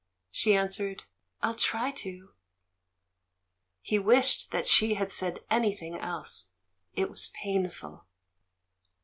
She answered, "I'll tiy to." He wished that she had said anything else — it was painful.